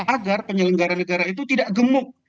agar penyelenggara negara itu tidak gemuk